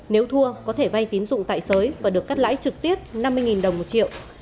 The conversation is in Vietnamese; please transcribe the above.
nếu thua có thể vay tín dụng tại sới và được cắt lãi trực tiếp năm mươi đồng một triệu